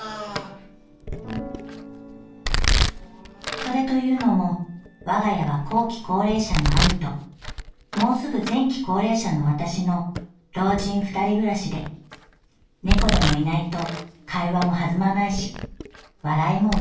「それと言うのも我が家は後期高齢者の兄ともうすぐ前期高齢者の私の老人二人暮らしで猫でもいないと会話も弾まないし笑いも生まれないからだ」。